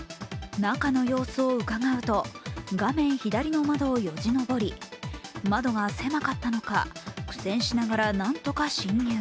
中の様子をうかがうと画面左の窓をよじ登り窓が狭かったのか、苦戦しながらなんとか侵入。